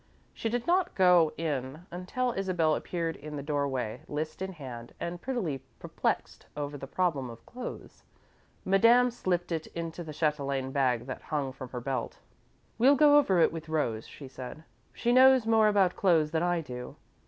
She did not go in until Isabel appeared in the doorway, list in hand, and prettily perplexed over the problem of clothes. Madame slipped it into the chatelaine bag that hung from her belt. "We'll go over it with Rose," she said. "She knows more about clothes than I do."